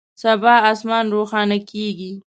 سبا اسمان روښانه کیږي